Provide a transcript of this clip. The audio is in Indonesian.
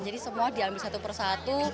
jadi semua diambil satu per satu